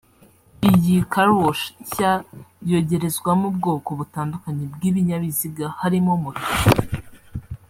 Iyi Car Wash nshya yogerezwamo ubwoko butandukanye bw’ibinyabiziga harimo moto